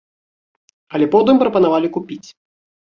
Але потым прапанавалі купіць.